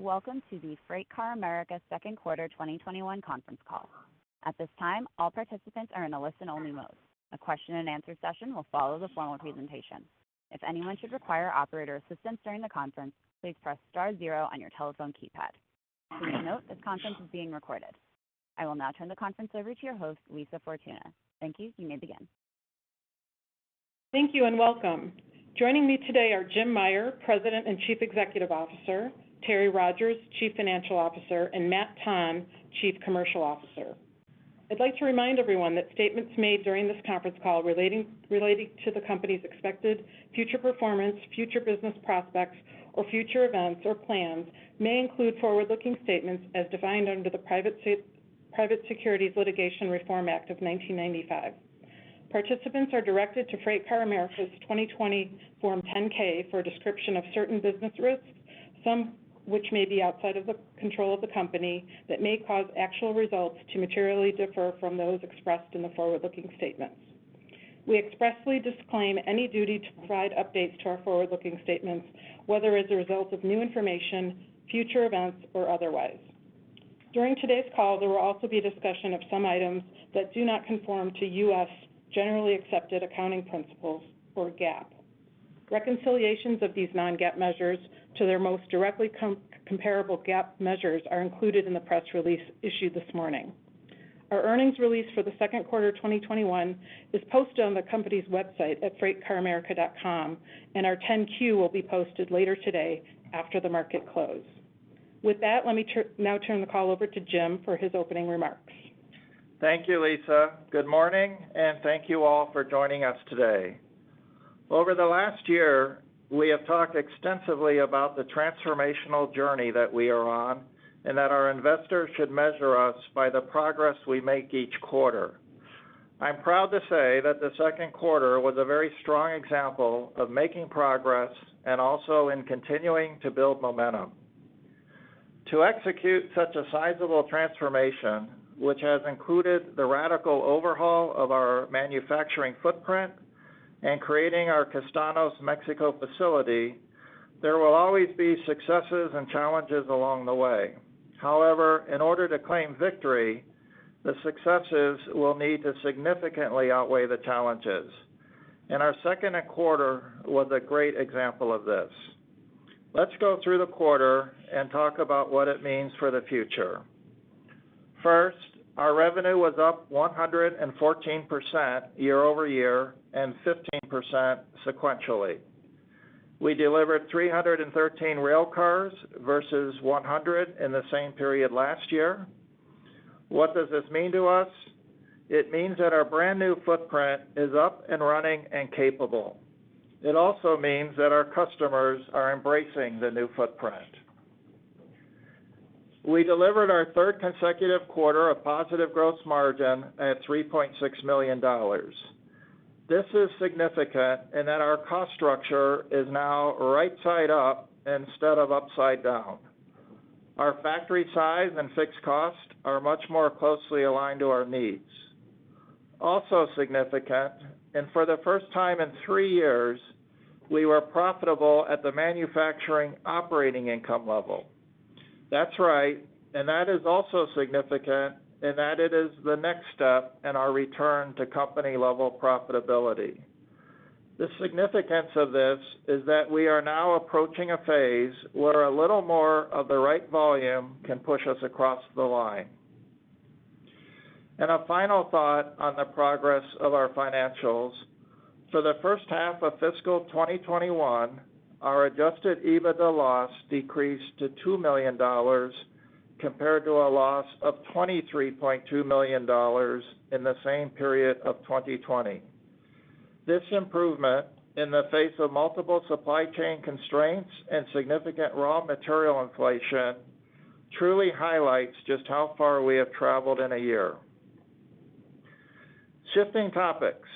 Welcome to the FreightCar America second quarter 2021 conference call. At this time, all participants are in a listen-only mode. A question and answer session will follow the formal presentation. If anyone should require operator assistance during the conference, please press star zero on your telephone keypad. Please note this conference is being recorded. I will now turn the conference over to your host, Lisa Fortuna. Thank you. You may begin. Thank you, and welcome. Joining me today are Jim Meyer, President and Chief Executive Officer, Terry Rogers, Chief Financial Officer, and Matt Tonn, Chief Commercial Officer. I'd like to remind everyone that statements made during this conference call relating to the company's expected future performance, future business prospects, or future events or plans may include forward-looking statements as defined under the Private Securities Litigation Reform Act of 1995. Participants are directed to FreightCar America's 2020 Form 10-K for a description of certain business risks, some which may be outside of the control of the company, that may cause actual results to materially differ from those expressed in the forward-looking statements. We expressly disclaim any duty to provide updates to our forward-looking statements, whether as a result of new information, future events, or otherwise. During today's call, there will also be a discussion of some items that do not conform to U.S. generally accepted accounting principles, or GAAP. Reconciliations of these non-GAAP measures to their most directly comparable GAAP measures are included in the press release issued this morning. Our earnings release for the second quarter 2021 is posted on the company's website at freightcaramerica.com, and our 10-Q will be posted later today after the market close. With that, let me now turn the call over to Jim for his opening remarks. Thank you, Lisa. Good morning, and thank you all for joining us today. Over the last year, we have talked extensively about the transformational journey that we are on and that our investors should measure us by the progress we make each quarter. I'm proud to say that the second quarter was a very strong example of making progress and also in continuing to build momentum. To execute such a sizable transformation, which has included the radical overhaul of our manufacturing footprint and creating our Castaños, Mexico Facility, there will always be successes and challenges along the way. However, in order to claim victory, the successes will need to significantly outweigh the challenges, and our second quarter was a great example of this. Let's go through the quarter and talk about what it means for the future. First, our revenue was up 114% year-over-year and 15% sequentially. We delivered 313 rail cars versus 100 in the same period last year. What does this mean to us? It means that our brand-new footprint is up and running and capable. It also means that our customers are embracing the new footprint. We delivered our third consecutive quarter of positive gross margin at $3.6 million. This is significant in that our cost structure is now right-side up instead of upside down. Our factory size and fixed cost are much more closely aligned to our needs. Also significant, and for the first time in three years, we were profitable at the manufacturing operating income level. That's right, and that is also significant in that it is the next step in our return to company-level profitability. The significance of this is that we are now approaching a phase where a little more of the right volume can push us across the line. A final thought on the progress of our financials. For the first half of fiscal 2021, our adjusted EBITDA loss decreased to $2 million compared to a loss of $23.2 million in the same period of 2020. This improvement in the face of multiple supply chain constraints and significant raw material inflation truly highlights just how far we have traveled in a year. Shifting topics.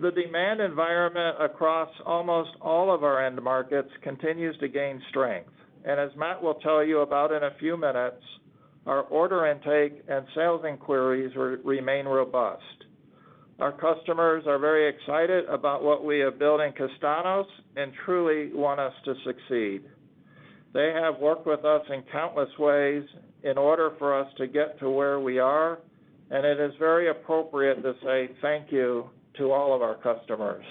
The demand environment across almost all of our end markets continues to gain strength, and as Matt will tell you about in a few minutes, our order intake and sales inquiries remain robust. Our customers are very excited about what we have built in Castaños and truly want us to succeed. They have worked with us in countless ways in order for us to get to where we are, and it is very appropriate to say thank you to all of our customers.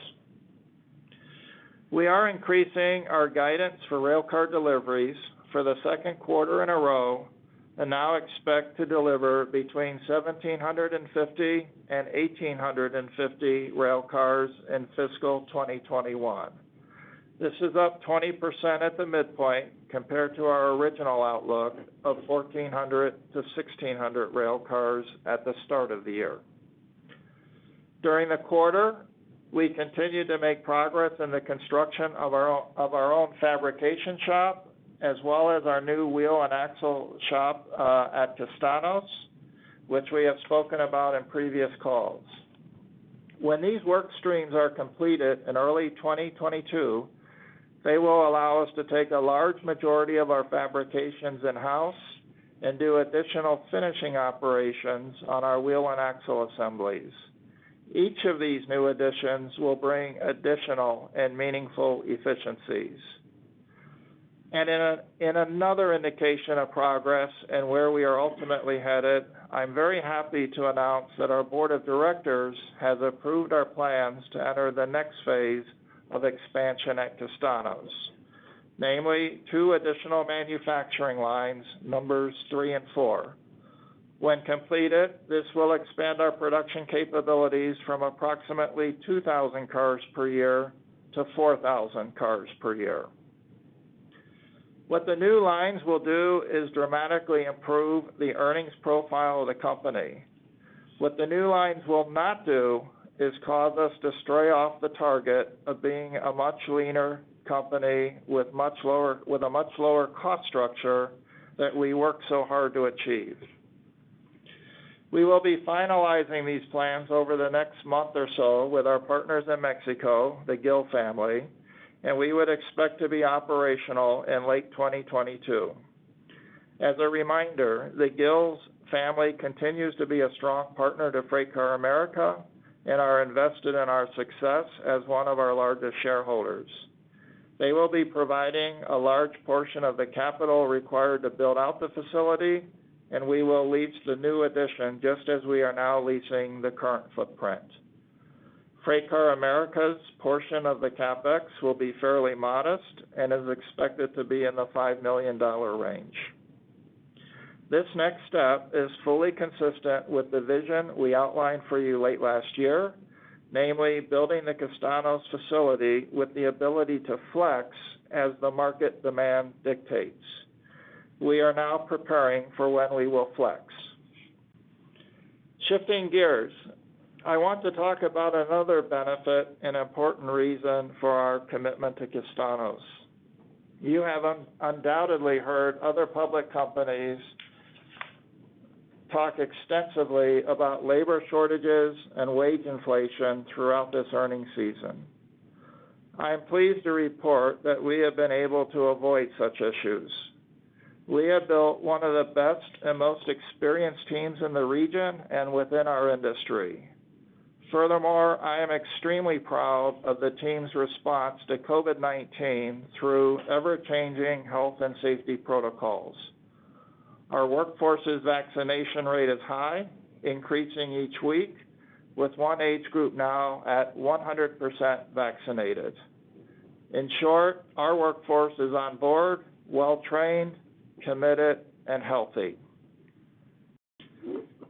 We are increasing our guidance for railcar deliveries for the second quarter in a row and now expect to deliver between 1,750 and 1,850 railcars in fiscal 2021. This is up 20% at the midpoint compared to our original outlook of 1,400-1,600 railcars at the start of the year. During the quarter, we continued to make progress in the construction of our own fabrication shop, as well as our new wheel and axle shop, at Castaños, which we have spoken about in previous calls. When these work streams are completed in early 2022, they will allow us to take a large majority of our fabrications in-house and do additional finishing operations on our wheel and axle assemblies. Each of these new additions will bring additional and meaningful efficiencies. In another indication of progress and where we are ultimately headed, I'm very happy to announce that our board of directors has approved our plans to enter the next phase of expansion at Castaños, namely two additional manufacturing lines, numbers 3 and 4. When completed, this will expand our production capabilities from approximately 2,000 cars per year to 4,000 cars per year. What the new lines will do is dramatically improve the earnings profile of the company. What the new lines will not do is cause us to stray off the target of being a much leaner company with a much lower cost structure that we worked so hard to achieve. We will be finalizing these plans over the next month or so with our partners in Mexico, the Gil Family, and we would expect to be operational in late 2022. As a reminder, the Gil Family continues to be a strong partner to FreightCar America and are invested in our success as one of our largest shareholders. They will be providing a large portion of the capital required to build out the facility, and we will lease the new addition just as we are now leasing the current footprint. FreightCar America's portion of the CapEx will be fairly modest and is expected to be in the $5 million range. This next step is fully consistent with the vision we outlined for you late last year, namely building the Castaños Facility with the ability to flex as the market demand dictates. We are now preparing for when we will flex. Shifting gears, I want to talk about another benefit and important reason for our commitment to Castaños. You have undoubtedly heard other public companies talk extensively about labor shortages and wage inflation throughout this earning season. I am pleased to report that we have been able to avoid such issues. We have built one of the best and most experienced teams in the region and within our industry. Furthermore, I am extremely proud of the team's response to COVID-19 through ever-changing health and safety protocols. Our workforce's vaccination rate is high, increasing each week, with one age group now at 100% vaccinated. In short, our workforce is on board, well-trained, committed, and healthy.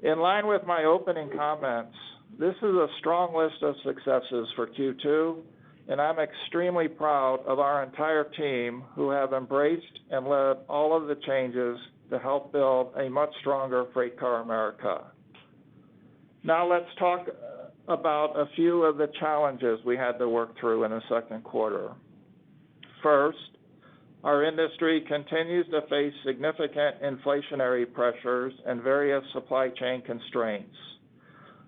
In line with my opening comments, this is a strong list of successes for Q2, and I'm extremely proud of our entire team who have embraced and led all of the changes to help build a much stronger FreightCar America. Let's talk about a few of the challenges we had to work through in the second quarter. First, our industry continues to face significant inflationary pressures and various supply chain constraints.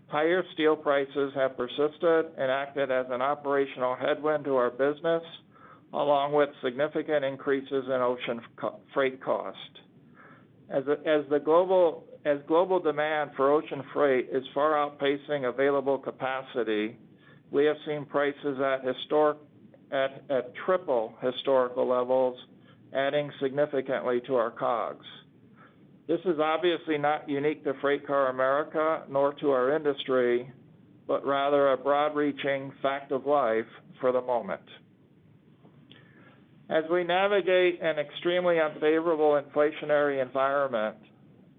Higher steel prices have persisted and acted as an operational headwind to our business, along with significant increases in ocean freight cost. As global demand for ocean freight is far outpacing available capacity, we have seen prices at triple historical levels, adding significantly to our COGS. This is obviously not unique to FreightCar America, nor to our industry, but rather a broad-reaching fact of life for the moment. As we navigate an extremely unfavorable inflationary environment,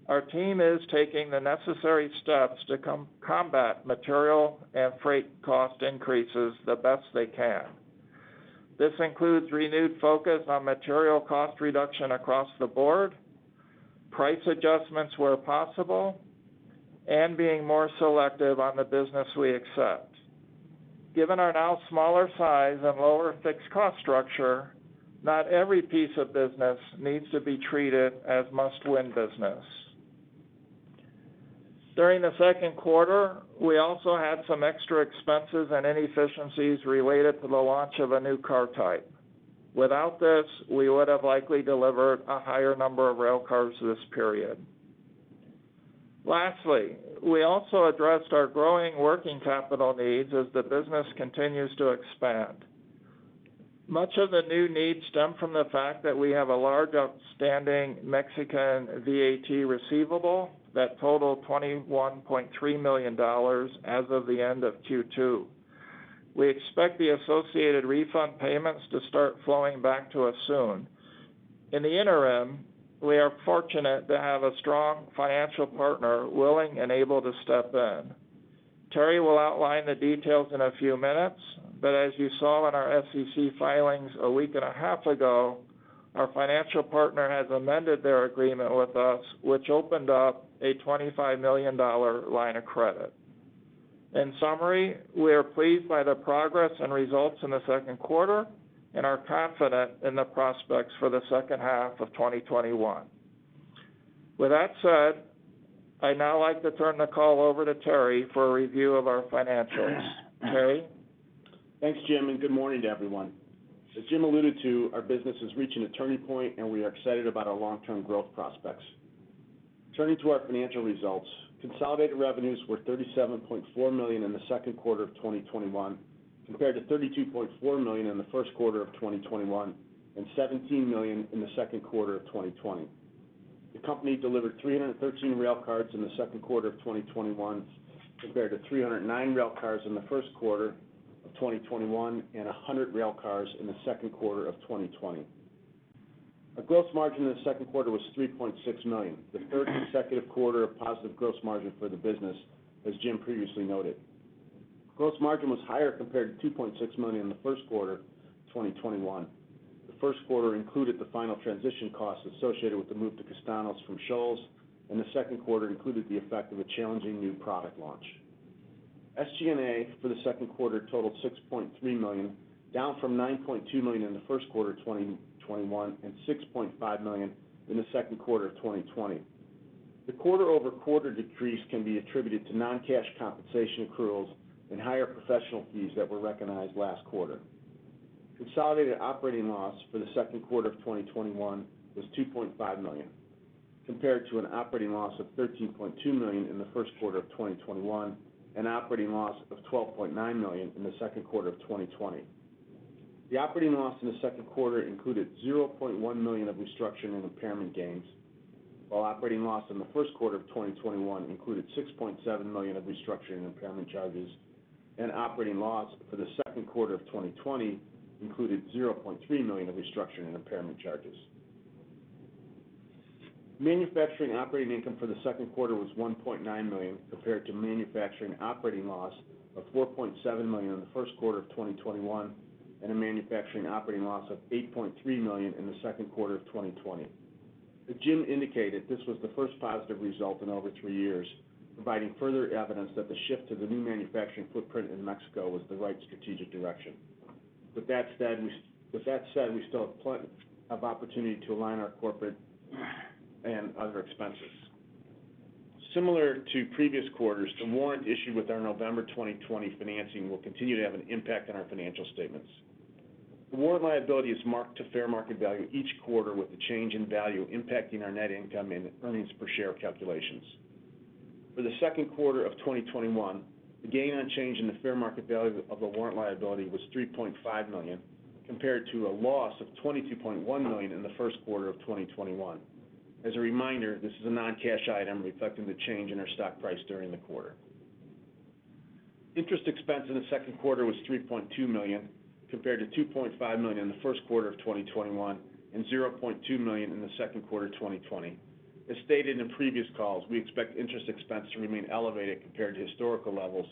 our team is taking the necessary steps to combat material and freight cost increases the best they can. This includes renewed focus on material cost reduction across the board, price adjustments where possible, and being more selective on the business we accept. Given our now smaller size and lower fixed cost structure, not every piece of business needs to be treated as must-win business. During the second quarter, we also had some extra expenses and inefficiencies related to the launch of a new car type. Without this, we would have likely delivered a higher number of railcars this period. Lastly, we also addressed our growing working capital needs as the business continues to expand. Much of the new needs stem from the fact that we have a large outstanding Mexican VAT receivable that totaled $21.3 million as of the end of Q2. We expect the associated refund payments to start flowing back to us soon. In the interim, we are fortunate to have a strong financial partner willing and able to step in. Terry will outline the details in a few minutes, but as you saw in our SEC filings a week and a half ago, our financial partner has amended their agreement with us, which opened up a $25 million line of credit. In summary, we are pleased by the progress and results in the second quarter and are confident in the prospects for the second half of 2021. With that said, I'd now like to turn the call over to Terry for a review of our financials. Terry? Thanks, Jim, and good morning to everyone. As Jim alluded to, our business is reaching a turning point and we are excited about our long-term growth prospects. Turning to our financial results, consolidated revenues were $37.4 million in the second quarter of 2021, compared to $32.4 million in the first quarter of 2021, and $17 million in the second quarter of 2020. The company delivered 313 railcars in the second quarter of 2021, compared to 309 railcars in the first quarter of 2021, and 100 railcars in the second quarter of 2020. Our gross margin in the second quarter was $3.6 million, the third consecutive quarter of positive gross margin for the business, as Jim previously noted. Gross margin was higher compared to $2.6 million in the first quarter 2021. The first quarter included the final transition costs associated with the move to Castaños from Shoals, and the second quarter included the effect of a challenging new product launch. SG&A for the second quarter totaled $6.3 million, down from $9.2 million in the first quarter of 2021, and $6.5 million in the second quarter of 2020. The quarter-over-quarter decrease can be attributed to non-cash compensation accruals and higher professional fees that were recognized last quarter. Consolidated operating loss for the second quarter of 2021 was $2.5 million, compared to an operating loss of $13.2 million in the first quarter of 2021, and operating loss of $12.9 million in the second quarter of 2020. The operating loss in the second quarter included $0.1 million of restructuring and impairment gains. While operating loss in the first quarter of 2021 included $6.7 million of restructuring and impairment charges, and operating loss for the second quarter of 2020 included $0.3 million of restructuring and impairment charges. Manufacturing operating income for the second quarter was $1.9 million, compared to manufacturing operating loss of $4.7 million in the first quarter of 2021, and a manufacturing operating loss of $8.3 million in the second quarter of 2020. As Jim indicated, this was the first positive result in over three years, providing further evidence that the shift to the new manufacturing footprint in Mexico was the right strategic direction. With that said, we still have plenty of opportunity to align our corporate and other expenses. Similar to previous quarters, the warrant issued with our November 2020 financing will continue to have an impact on our financial statements. The warrant liability is marked to fair market value each quarter, with the change in value impacting our net income and earnings per share calculations. For the second quarter of 2021, the gain on change in the fair market value of the warrant liability was $3.5 million, compared to a loss of $22.1 million in the first quarter of 2021. As a reminder, this is a non-cash item reflecting the change in our stock price during the quarter. Interest expense in the second quarter was $3.2 million, compared to $2.5 million in the first quarter of 2021, and $0.2 million in the second quarter 2020. As stated in previous calls, we expect interest expense to remain elevated compared to historical levels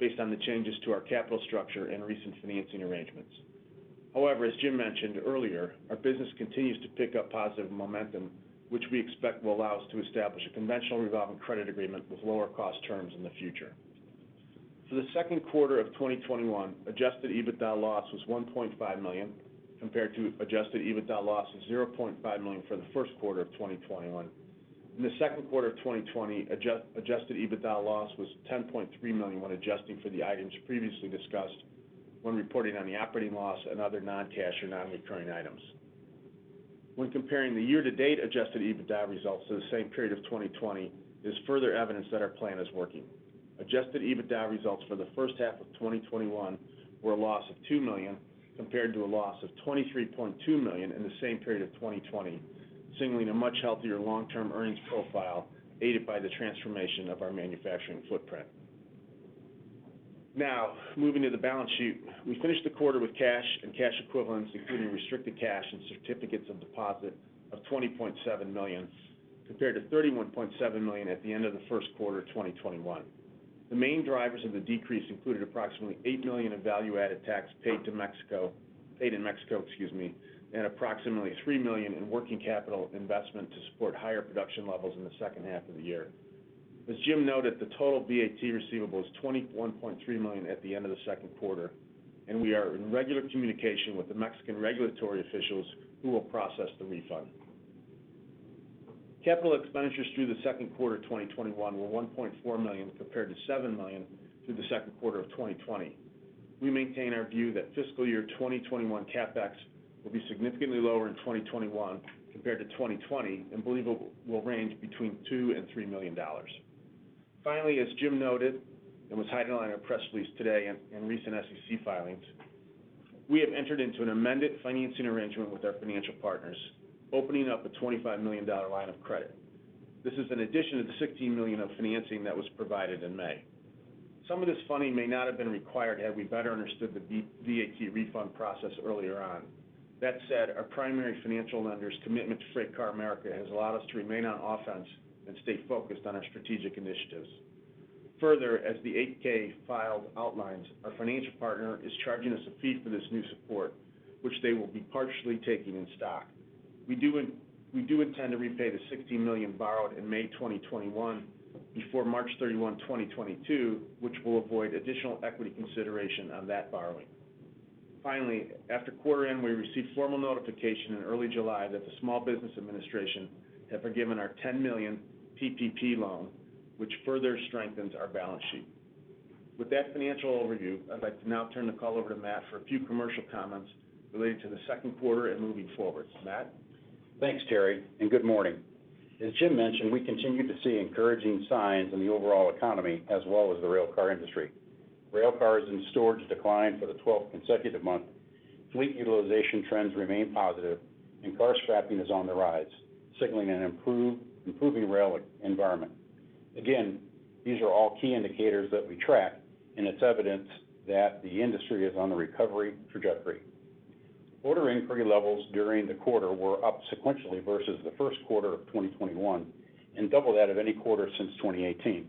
based on the changes to our capital structure and recent financing arrangements. However, as Jim mentioned earlier, our business continues to pick up positive momentum, which we expect will allow us to establish a conventional revolving credit agreement with lower cost terms in the future. For the second quarter of 2021, adjusted EBITDA loss was $1.5 million, compared to adjusted EBITDA loss of $0.5 million for the first quarter of 2021. In the second quarter of 2020, adjusted EBITDA loss was $10.3 million when adjusting for the items previously discussed when reporting on the operating loss and other non-cash or non-recurring items. When comparing the year-to-date adjusted EBITDA results to the same period of 2020, there's further evidence that our plan is working. Adjusted EBITDA results for the first half of 2021 were a loss of $2 million, compared to a loss of $23.2 million in the same period of 2020, signaling a much healthier long-term earnings profile, aided by the transformation of our manufacturing footprint. Now, moving to the balance sheet. We finished the quarter with cash and cash equivalents, including restricted cash and certificates of deposit, of $20.7 million, compared to $31.7 million at the end of the first quarter of 2021. The main drivers of the decrease included approximately $8 million of value-added tax paid in Mexico, and approximately $3 million in working capital investment to support higher production levels in the second half of the year. As Jim noted, the total VAT receivable is $21.3 million at the end of the second quarter, and we are in regular communication with the Mexican regulatory officials who will process the refund. Capital expenditures through the second quarter 2021 were $1.4 million, compared to $7 million through the second quarter of 2020. We maintain our view that fiscal year 2021 CapEx will be significantly lower in 2021 compared to 2020 and believe it will range between $2 million and $3 million. Finally, as Jim noted, and was highlighted in our press release today and recent SEC filings, we have entered into an amended financing arrangement with our financial partners, opening up a $25 million line of credit. This is in addition to the $16 million of financing that was provided in May. Some of this funding may not have been required had we better understood the VAT refund process earlier on. That said, our primary financial lender's commitment to FreightCar America has allowed us to remain on offense and stay focused on our strategic initiatives. Further, as the 8-K filed outlines, our financial partner is charging us a fee for this new support, which they will be partially taking in stock. We do intend to repay the $16 million borrowed in May 2021 before March 31, 2022, which will avoid additional equity consideration on that borrowing. Finally, after quarter end, we received formal notification in early July that the Small Business Administration had forgiven our $10 million PPP Loan, which further strengthens our balance sheet. With that financial overview, I'd like to now turn the call over to Matt for a few commercial comments related to the second quarter and moving forward. Matt? Thanks, Terry, and good morning. As Jim mentioned, we continue to see encouraging signs in the overall economy, as well as the railcar industry. Railcars in storage declined for the 12th consecutive month, fleet utilization trends remain positive, and car scrapping is on the rise, signaling an improving rail environment. Again, these are all key indicators that we track, and it's evidence that the industry is on a recovery trajectory. Order inquiry levels during the quarter were up sequentially versus the first quarter of 2021 and double that of any quarter since 2018.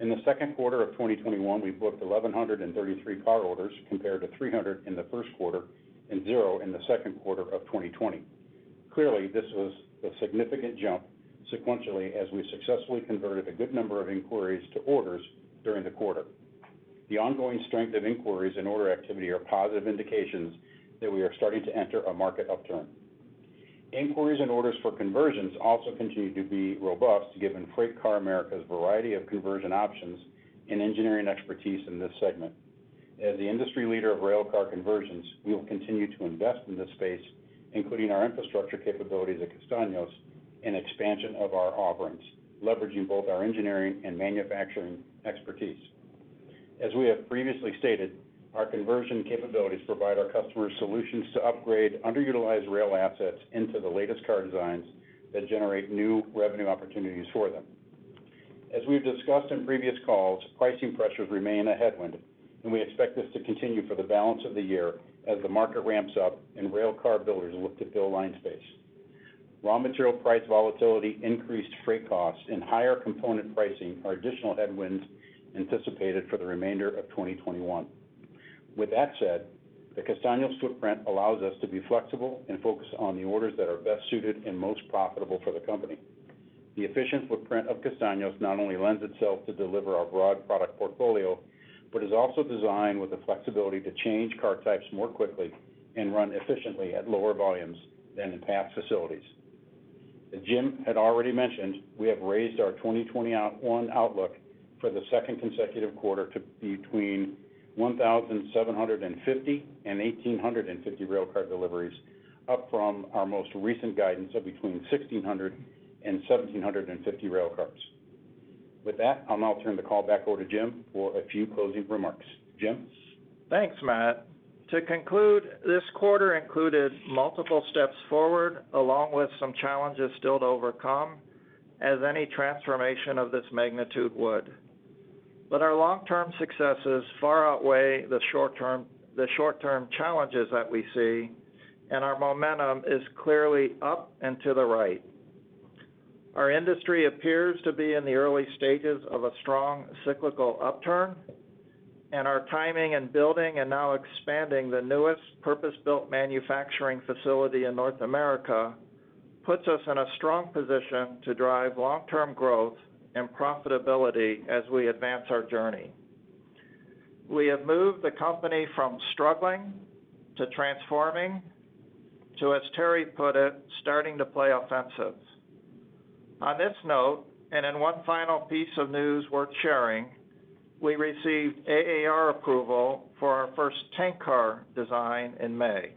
In the second quarter of 2021, we booked 1,133 car orders compared to 300 in the first quarter and zero in the second quarter of 2020. Clearly, this was a significant jump sequentially as we successfully converted a good number of inquiries to orders during the quarter. The ongoing strength of inquiries and order activity are positive indications that we are starting to enter a market upturn. Inquiries and orders for conversions also continue to be robust given FreightCar America's variety of conversion options and engineering expertise in this segment. As the industry leader of railcar conversions, we will continue to invest in this space, including our infrastructure capabilities at Castaños and expansion of our offerings, leveraging both our engineering and manufacturing expertise. As we have previously stated, our conversion capabilities provide our customers solutions to upgrade underutilized rail assets into the latest car designs that generate new revenue opportunities for them. As we've discussed in previous calls, pricing pressures remain a headwind, and we expect this to continue for the balance of the year as the market ramps up and railcar builders look to fill line space. Raw material price volatility, increased freight costs, and higher component pricing are additional headwinds anticipated for the remainder of 2021. With that said, the Castaños footprint allows us to be flexible and focused on the orders that are best suited and most profitable for the company. The efficient footprint of Castaños not only lends itself to deliver our broad product portfolio, but is also designed with the flexibility to change car types more quickly and run efficiently at lower volumes than in past facilities. As Jim had already mentioned, we have raised our 2021 outlook for the second consecutive quarter to between 1,750 and 1,850 railcar deliveries, up from our most recent guidance of between 1,600 and 1,750 railcars. With that, I'll now turn the call back over to Jim for a few closing remarks. Jim? Thanks, Matt. To conclude, this quarter included multiple steps forward, along with some challenges still to overcome, as any transformation of this magnitude would. Our long-term successes far outweigh the short-term challenges that we see, and our momentum is clearly up and to the right. Our industry appears to be in the early stages of a strong cyclical upturn, our timing and building and now expanding the newest purpose-built manufacturing facility in North America puts us in a strong position to drive long-term growth and profitability as we advance our journey. We have moved the company from struggling to transforming to, as Terry put it, starting to play offensive. On this note, and in one final piece of news worth sharing, we received AAR Approval for our first tank car design in May.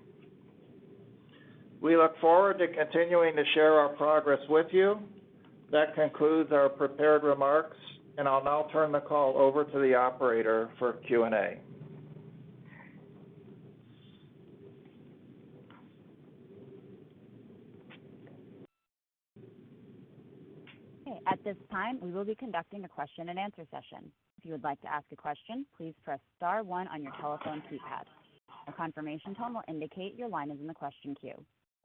We look forward to continuing to share our progress with you. That concludes our prepared remarks, and I'll now turn the call over to the operator for Q&A. Okay. At this time, we will be conducting a question and answer session. If you would like to ask a question, please press star one on your telephone keypad. A confirmation tone will indicate your line is in the question queue.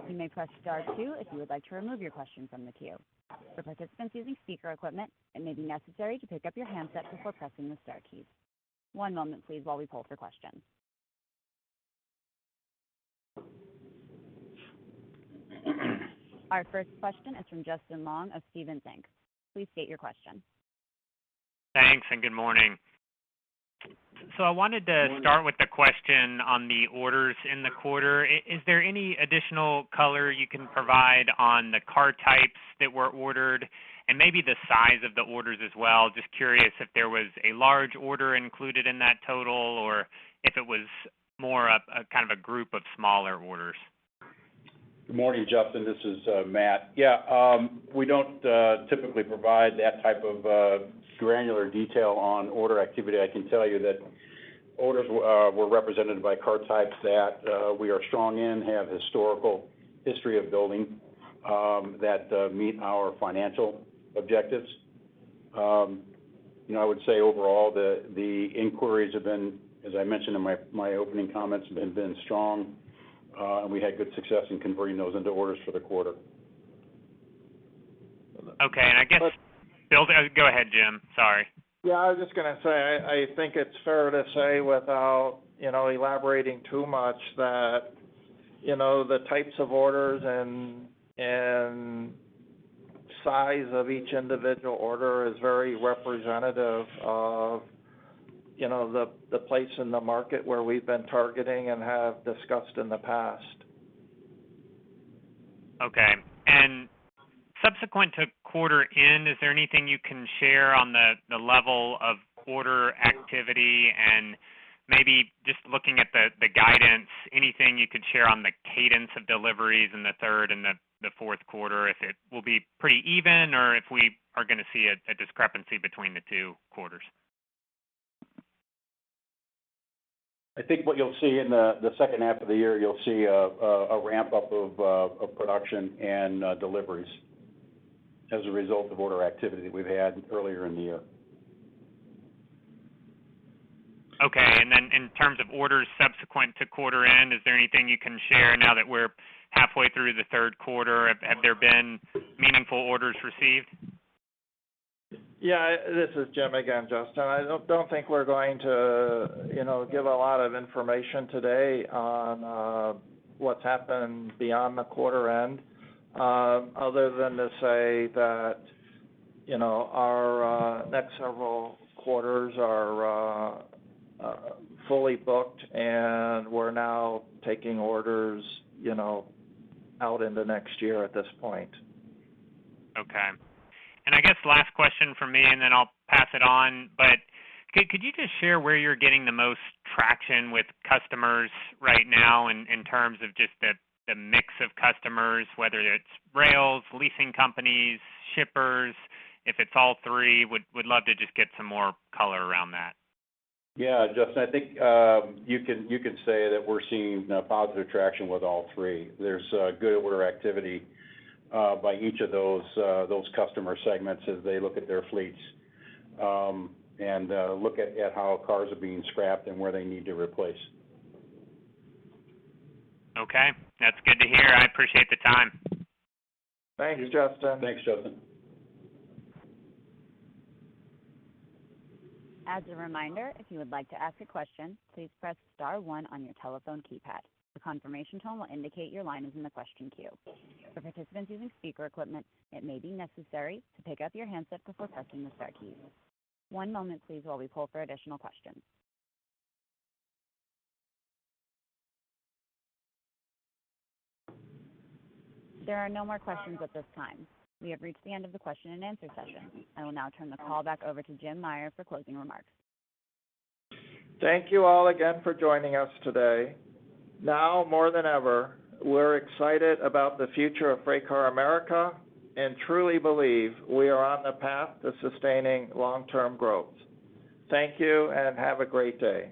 You may press star two if you would like to remove your question from the queue. For participants using speaker equipment, it may be necessary to pick up your handset before pressing the star keys. One moment, please, while we poll for questions. Our first question is from Justin Long of Stephens Inc. Please state your question. Thanks, good morning. I wanted to start with a question on the orders in the quarter. Is there any additional color you can provide on the car types that were ordered and maybe the size of the orders as well? Just curious if there was a large order included in that total, or if it was more of a group of smaller orders. Good morning, Justin. This is Matt. Yeah. We don't typically provide that type of granular detail on order activity. I can tell you that orders were represented by car types that we are strong in, have historical history of building, that meet our financial objectives. I would say overall, the inquiries have been, as I mentioned in my opening comments, have been strong, and we had good success in converting those into orders for the quarter. Okay. Go ahead, Jim. Sorry. Yeah, I was just going to say, I think it's fair to say, without elaborating too much, that the types of orders and size of each individual order is very representative of the place in the market where we've been targeting and have discussed in the past. Okay. Subsequent to quarter end, is there anything you can share on the level of order activity and maybe just looking at the guidance, anything you could share on the cadence of deliveries in the third and the fourth quarter? If it will be pretty even or if we are going to see a discrepancy between the two quarters? I think what you'll see in the second half of the year, you'll see a ramp-up of production and deliveries as a result of order activity we've had earlier in the year. Okay, in terms of orders subsequent to quarter end, is there anything you can share now that we're halfway through the third quarter? Have there been meaningful orders received? Yeah, this is Jim again, Justin. I don't think we're going to give a lot of information today on what's happened beyond the quarter end other than to say that our next several quarters are fully booked and we're now taking orders out into next year at this point. Okay. I guess last question from me, then I'll pass it on. Could you just share where you're getting the most traction with customers right now in terms of just the mix of customers, whether it's rails, leasing companies, shippers, if it's all three? Would love to just get some more color around that. Yeah, Justin, I think you could say that we're seeing positive traction with all three. There's good order activity by each of those customer segments as they look at their fleets and look at how cars are being scrapped and where they need to replace. Okay. That's good to hear. I appreciate the time. Thanks, Justin. Thanks, Justin. As a reminder, if you would like to ask a question, please press star one on your telephone keypad. A confirmation tone will indicate your line is in the question queue. For participants using speaker equipment, it may be necessary to pick up your handset before pressing the star key. One moment please while we poll for additional questions. There are no more questions at this time. We have reached the end of the question and answer session. I will now turn the call back over to Jim Meyer for closing remarks. Thank you all again for joining us today. Now more than ever, we're excited about the future of FreightCar America and truly believe we are on the path to sustaining long-term growth. Thank you and have a great day.